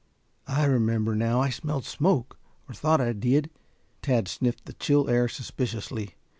I remember now, I smelled smoke or thought I did." Tad sniffed the chill air suspiciously.